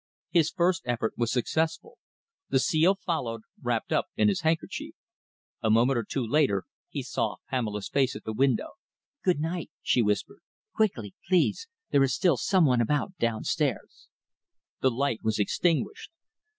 His first effort was successful. The seal followed, wrapped up in his handkerchief. A moment or two later he saw Pamela's face at the window. "Good night!" she whispered. "Quickly, please. There is still some one about downstairs." The light was extinguished.